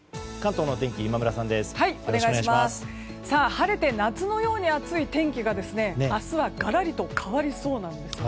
晴れて夏のように暑い天気が明日はがらりと変わりそうなんです。